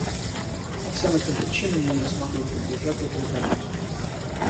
По всем этим причинам мы не смогли поддержать эту резолюцию.